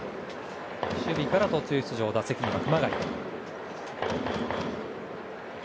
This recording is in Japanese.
守備から途中出場打席には熊谷。